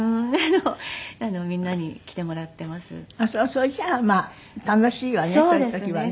それじゃあまあ楽しいわねそういう時はね。